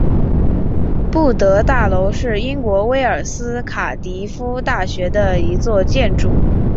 布特大楼是英国威尔斯卡迪夫大学的一座建筑。